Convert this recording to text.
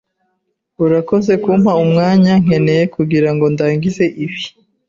Urakoze kumpa umwanya nkeneye kugirango ndangize ibi.